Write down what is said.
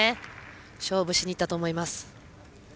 勝負しにいったと思います。